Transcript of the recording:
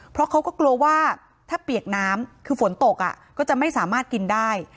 เพราะเขาก็กลัวว่าถ้าเปียกน้ำคือฝนตกก็จะไม่สามารถกินได้